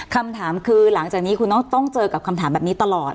คำถามคือหลังจากนี้คุณต้องเจอกับคำถามแบบนี้ตลอด